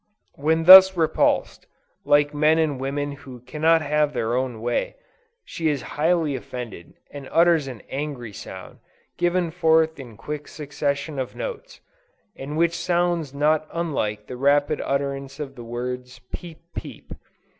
When thus repulsed, like men and women who cannot have their own way, she is highly offended and utters an angry sound, given forth in a quick succession of notes, and which sounds not unlike the rapid utterance of the words, "peep, peep."